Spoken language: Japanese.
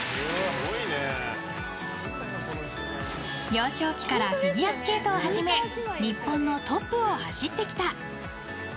幼少期からフィギュアスケートを始め日本のトップを走ってきた。